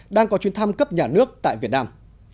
đang có chuyến thăm cấp nhà nước tại việt nam